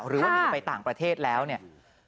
หรือว่าหนีไปต่างประเทศแล้วเนี่ย